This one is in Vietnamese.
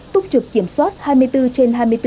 túc trực kiểm soát hai mươi bốn trên hai mươi bốn